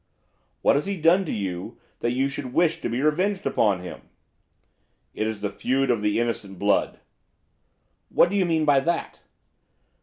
'What has he done to you that you should wish to be revenged on him?' 'It is the feud of the innocent blood.' 'What do you mean by that?